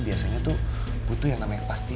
biasanya tuh butuh yang namanya pasti